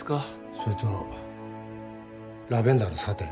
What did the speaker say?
それとラベンダーのサテン